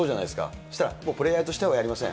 そしたら、もうプレーヤーとしてはやりません。